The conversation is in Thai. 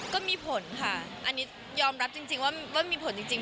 ก็มีผลค่ะอันนี้ยอมรับจริงว่ามีผลจริง